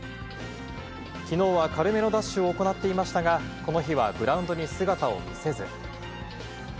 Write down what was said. きのうは軽めのダッシュを行っていましたが、この日はグラウンドに姿を見せず。